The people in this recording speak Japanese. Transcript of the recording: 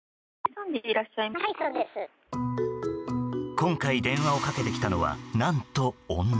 今回、電話をかけてきたのは何と女。